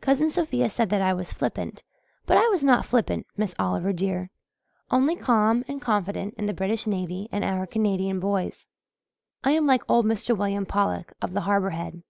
Cousin Sophia said that I was flippant but I was not flippant, Miss Oliver, dear, only calm and confident in the British navy and our Canadian boys. I am like old Mr. William Pollock of the Harbour Head.